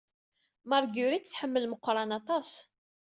Margerit tḥemmel Meqqran aṭas.